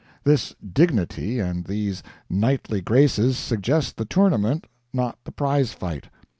This dignity and these knightly graces suggest the tournament, not the prize fight.